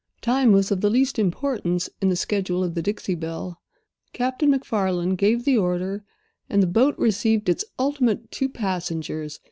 Time was of the least importance in the schedule of the Dixie Belle; Captain MacFarland gave the order, and the boat received its ultimate two passengers.